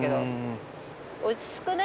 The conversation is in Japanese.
落ち着くね。